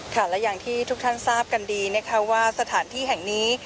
และอย่างที่ทุกท่านทราบกันดีนะคะว่าสถานที่แห่งนี้